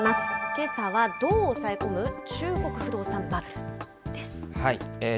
けさは、どう抑え込む、中国不動産バブルです。